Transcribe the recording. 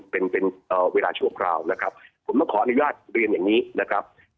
เป็นเป็นเวลาชั่วคราวนะครับผมต้องขออนุญาตเรียนอย่างนี้นะครับ